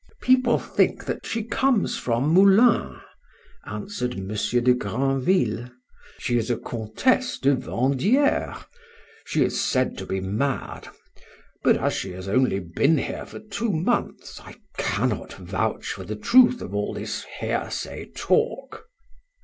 "People think that she comes from Moulins," answered M. de Grandville. "She is a Comtesse de Vandieres; she is said to be mad; but as she has only been here for two months, I cannot vouch for the truth of all this hearsay talk."